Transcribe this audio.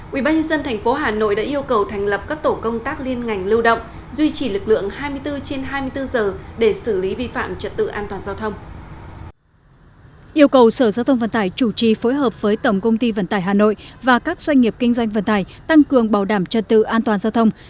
quỹ ban nhân dân thành phố hà nội đã yêu cầu thành lập các tổ công tác liên ngành lưu động duy trì lực lượng hai mươi bốn trên hai mươi bốn giờ để xử lý vi phạm trật tự an toàn giao thông